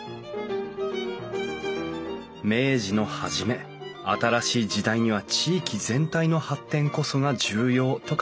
明治の初め新しい時代には地域全体の発展こそが重要と考え